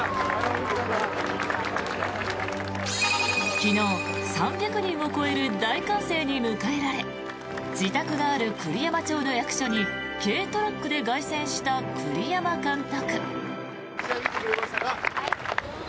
昨日、３００人を超える大歓声に迎えられ自宅がある栗山町の役所に軽トラックで凱旋した栗山監督。